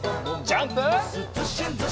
ジャンプ！